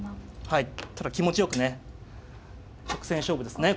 はい気持ちよくね直線勝負ですね